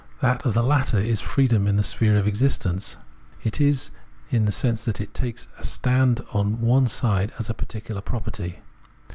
That of the latter is freedom in the sphere of existence {seyende Freiheit), in the sense that it takes its stand on one side as a particular property.